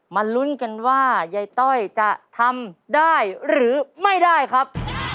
ลุ้นกันว่ายายต้อยจะทำได้หรือไม่ได้ครับ